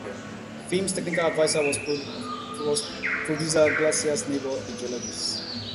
The film's technical adviser was producer Glasser's neighbor, a geologist.